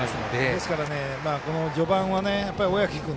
ですから、序盤は小宅君